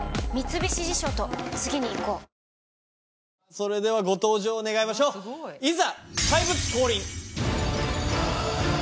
それではご登場願いましょういざ。